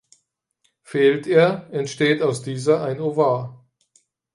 Fehlt er, entsteht aus dieser ein Ovar.